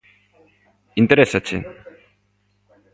–¿Interésache?